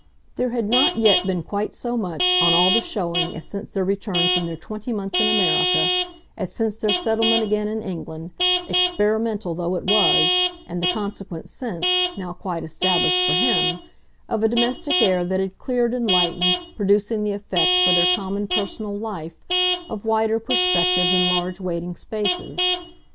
There had not yet been quite so much, on all the showing, as since their return from their twenty months in America, as since their settlement again in England, experimental though it was, and the consequent sense, now quite established for him, of a domestic air that had cleared and lightened, producing the effect, for their common personal life, of wider perspectives and large waiting spaces.